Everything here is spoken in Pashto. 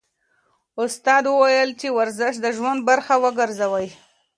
استاد وویل چې ورزش د ژوند برخه وګرځوئ.